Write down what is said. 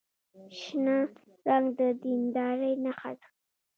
شنه رنګ د دیندارۍ نښه ده.